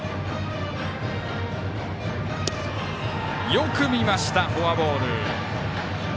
よく見ましたフォアボール。